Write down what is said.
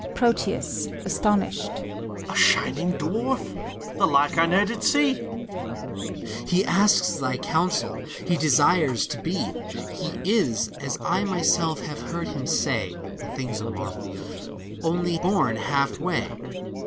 PROTEUS (astonished), A shining dwarf ! The like I ne'er did see ! THALES. He asks thy counsel, he desires to be. He is, as I myself have heard him say, (The thing's a marvel!) only bom half way.